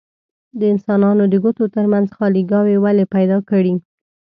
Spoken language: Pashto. د انسانانو د ګوتو ترمنځ خاليګاوې ولې پیدا کړي؟